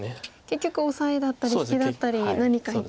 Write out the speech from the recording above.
結局オサエだったり引きだったり何か一手。